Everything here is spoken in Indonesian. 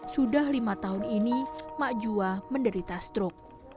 sudah lima tahun ini mak jua menderita strok